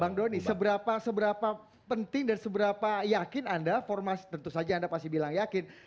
bang doni seberapa penting dan seberapa yakin anda tentu saja anda pasti bilang yakin